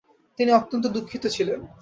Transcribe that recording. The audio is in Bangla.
তিনি অত্যন্ত দুঃখিত ছিলেন।